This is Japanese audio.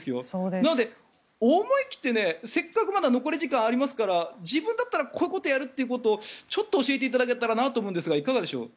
なので、思い切ってせっかくまだ残り時間ありますから自分だったらこういうことをやるということをちょっと教えていただけたらなと思うんですがいかがでしょう？